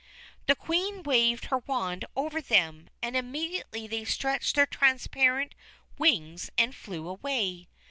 The Queen waved her wand over them, and immediately they stretched their transparent wings and flew away.